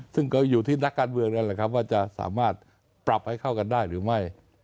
ซึ่งก็อยู่ที่นักการเมืองนั่นแหละครับว่าจะสามารถปรับให้เข้ากันได้หรือไม่